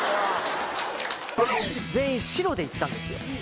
全員白で行ったんですよ。